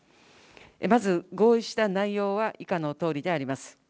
まず合意した内容は以下のとおりであります。